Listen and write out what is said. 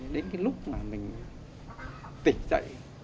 đến cái lúc mà mình tỉnh dậy